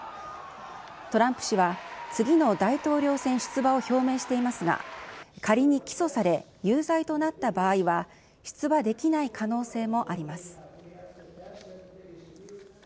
トランプ氏は、次の大統領選出馬を表明していますが、仮に起訴され、有罪となった場合は、出馬できない可能性もあります。